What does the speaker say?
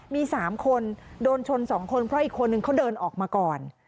มี๓คนโดนชน๒คนเพราะอีกคนนึงเขาเดินออกมาก่อน